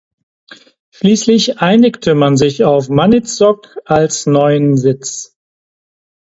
Schließlich einigte man sich auf Maniitsoq als neuen Sitz.